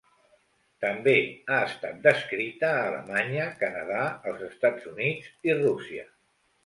També ha estat descrita a Alemanya, Canadà, els Estats Units i Rússia.